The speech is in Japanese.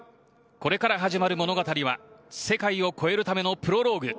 これから始まる物語は世界を超えるためのプロローグ。